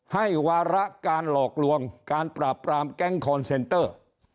วาระการหลอกลวงการปราบปรามแก๊งคอนเซนเตอร์